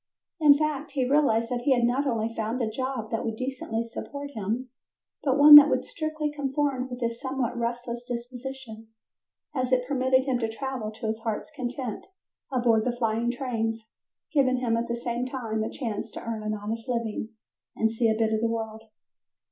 In fact he realized that he had not only found a job that would decently support him, but one that strictly conformed with his somewhat restless disposition, as it permitted him to travel to his heart's content aboard the flying trains, giving him at the same time a chance to earn an honest living and see a bit of the world.